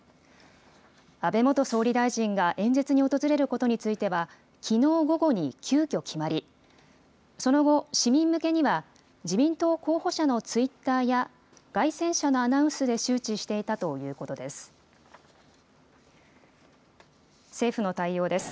安倍元総理大臣が演説に訪れることについては、きのう午後に急きょ決まり、その後、市民向けには、自民党候補者のツイッターや、街宣車のアナウンスで周知していたということです。